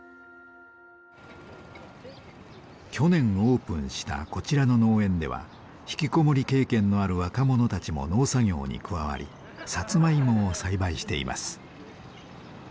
去年オープンしたこちらの農園では引きこもり経験のある若者たちも農作業に加わりサツマイモを栽培しています。